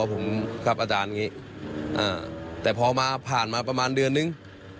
ผมกับอาจารย์อย่างนี้แต่พอมาผ่านมาประมาณเดือนนึง